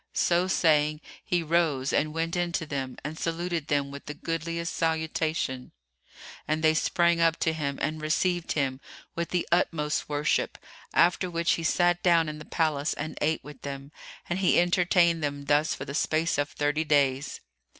So saying, he rose and went in to them and saluted them with the goodliest salutation; and they sprang up to him and received him with the utmost worship, after which he sat down in the palace and ate with them; and he entertained them thus for the space of thirty days.